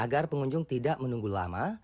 agar pengunjung tidak menunggu lama